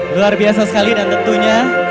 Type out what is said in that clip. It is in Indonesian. luar biasa sekali dan tentunya